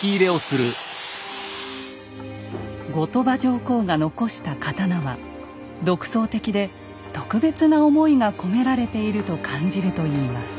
後鳥羽上皇が残した刀は独創的で特別な思いが込められていると感じるといいます。